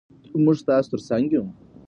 موږ ستاسو تر څنګ یو.